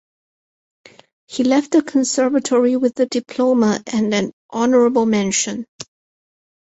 He left the Conservatory with a diploma and an Honorable Mention.